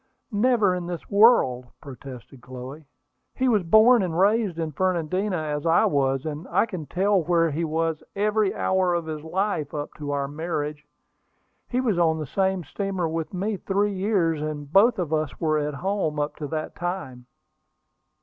"Never in this world!" protested Chloe. "He was born and raised in Fernandina, as I was; and I can tell where he was every hour of his life, up to our marriage. He was on the same steamer with me three years, and both of us were at home up to that time."